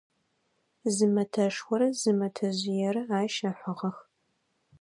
Зы мэтэшхорэ зы мэтэжъыерэ ащ ыхьыгъэх.